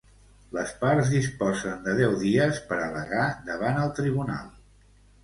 Les parts disposen de deu dies per al·legar davant el tribunal.